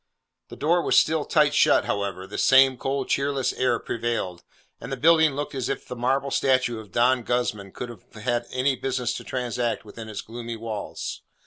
The door was still tight shut, however; the same cold cheerless air prevailed: and the building looked as if the marble statue of Don Guzman could alone have any business to transact within its gloomy walls.